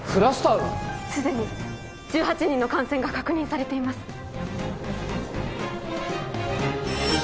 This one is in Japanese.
すでに１８人の感染が確認されています。